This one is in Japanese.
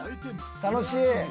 楽しい！